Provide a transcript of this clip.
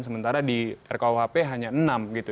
sementara di rkuhp hanya enam gitu